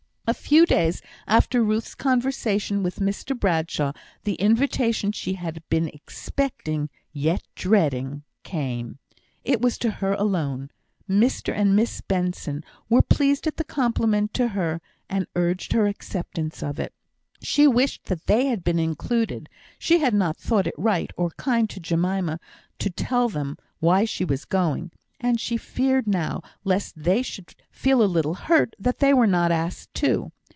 A few days after Ruth's conversation with Mr Bradshaw, the invitation she had been expecting, yet dreading, came. It was to her alone. Mr and Miss Benson were pleased at the compliment to her, and urged her acceptance of it. She wished that they had been included; she had not thought it right, or kind to Jemima, to tell them why she was going, and she feared now lest they should feel a little hurt that they were not asked too.